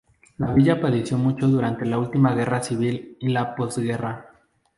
La villa padeció mucho durante la última Guerra Civil y la postguerra.